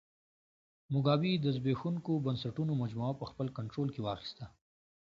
موګابي د زبېښونکو بنسټونو مجموعه په خپل کنټرول کې واخیسته.